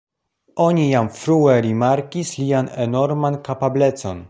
Oni jam frue rimarkis lian enorman kapablecon.